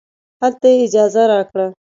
هلته یې اجازه راکړه.